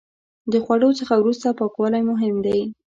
د خوړو څخه وروسته پاکوالی مهم دی.